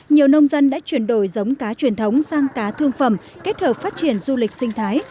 nhiều nông dân đã chuyển đổi giống cá truyền thống sang cá thương phẩm kết hợp phát triển du lịch sinh thái